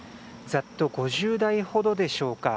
ざっと５０台ほどでしょうか。